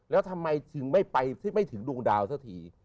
แล้วทำไมจึงไม่ไปไม่ถึงดวงดาวสักที